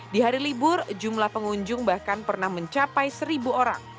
di hari libur jumlah pengunjung bahkan pernah mencapai seribu orang